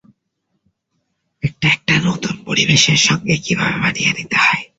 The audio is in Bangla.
একটা নতুন পরিবেশের সঙ্গে কীভাবে মানিয়ে নিতে হয়।